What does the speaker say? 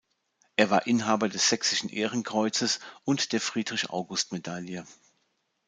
Er war Inhaber des Sächsischen Ehrenkreuzes und der Friedrich-August-Medaille.